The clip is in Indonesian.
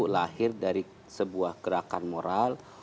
lahir dari sebuah gerakan moral